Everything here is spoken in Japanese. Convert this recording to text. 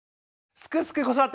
「すくすく子育て」！